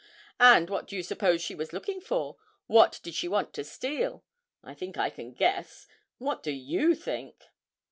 And what do you suppose she was looking for what did she want to steal? I think I can guess what do you think?'